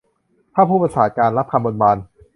ถ้าผู้ประศาสน์การณ์รับคำบนบาน